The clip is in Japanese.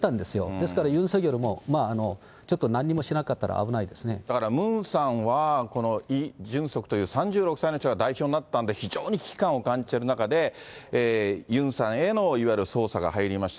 ですからユン・ソギョルも、ちょっとなんにもしなかったら危ないだからムンさんは、このイ・ジュンソクという３６歳の人が代表になったんで、非常に危機感を感じている中で、ユンさんへのいわゆる捜査が入りました。